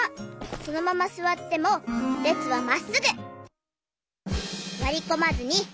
そのまますわってもれつはまっすぐ！